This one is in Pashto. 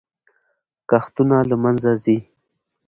کښتونه له منځه ځي.